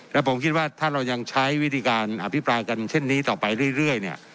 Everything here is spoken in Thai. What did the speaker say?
แล้วผมคิดว่าถ้าเรายังใช้วิธีการอภิปรายกันเช่นนี้ต่อไปเรื่อยเนี่ย